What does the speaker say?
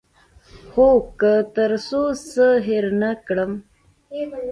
هو، که تر څو څه هیر نه کړم